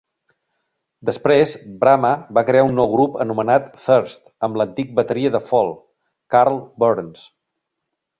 Després, Bramah va crear un nou grup anomenat Thirst amb l'antic bateria de Fall, Karl Burns.